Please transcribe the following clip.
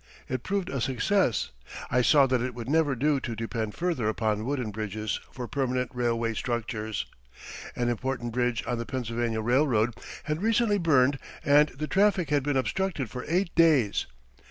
It proved a success. I saw that it would never do to depend further upon wooden bridges for permanent railway structures. An important bridge on the Pennsylvania Railroad had recently burned and the traffic had been obstructed for eight days.